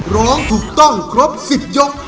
ร้องถูกต้องครบสิทธิ์ยก